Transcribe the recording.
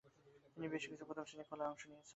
তিনি বেশ কিছু প্রথম-শ্রেণীর খেলায় অংশ নিয়েছেন।